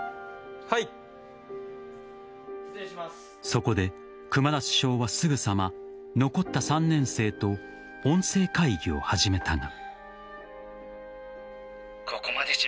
そこで熊田主将はすぐさま残った３年生と音声会議を始めたが。